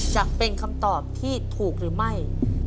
จะเป็นคำตอบที่ถูกหรือไม่